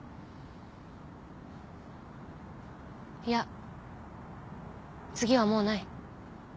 いや次はもうない。